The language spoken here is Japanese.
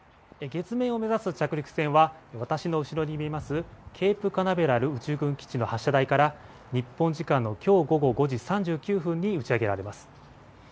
月面を目指す着陸船は私の後ろに見えますケープ・カナベラル宇宙軍基地の発射台から日本時間のきょう午後５時３９分に打ち上げられます。